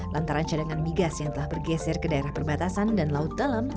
lantaran cadangan migas yang telah bergeser ke daerah perbatasan dan laut dalam